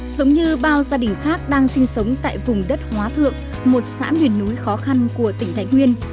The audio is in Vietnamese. giống như bao gia đình khác đang sinh sống tại vùng đất hóa thượng một xã miền núi khó khăn của tỉnh thái nguyên